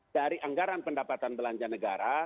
dari anggaran pendapatan belanja negara